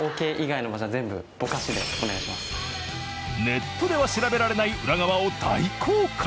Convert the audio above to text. ネットでは調べられない裏側を大公開！